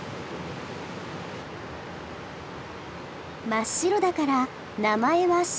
真っ白だから名前はシロ。